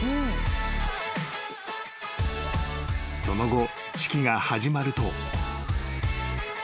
［その後式が始まると］